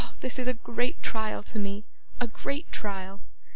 This is a great trial to me, a great trial.